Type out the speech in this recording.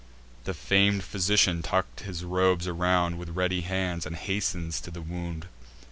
The fam'd physician tucks his robes around With ready hands, and hastens to the wound.